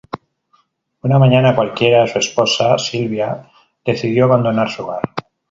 Una mañana cualquiera, su esposa Silvia decidió abandonar su hogar.